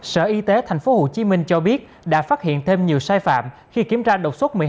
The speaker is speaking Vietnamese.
sở y tế tp hcm cho biết đã phát hiện thêm nhiều sai phạm khi kiểm tra độc suất